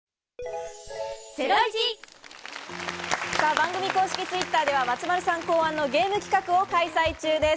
番組公式Ｔｗｉｔｔｅｒでは松丸さん考案のゲーム企画を開催中です。